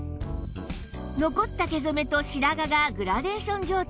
残った毛染めと白髪がグラデーション状態